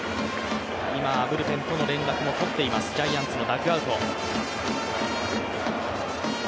今、ブルペンとの連絡もとっています、ジャイアンツのダグアウト。